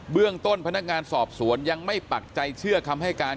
เรื่องต้นพนักงานสอบสวนยังไม่ปักใจเชื่อคำให้การ